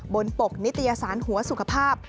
ปกนิตยสารหัวสุขภาพ